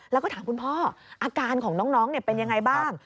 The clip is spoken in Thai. แล้วก็ถามคุณพ่ออาการของน้องเป็นยังไงบ้าง